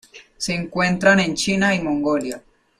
Se encuentran en China y Mongolia.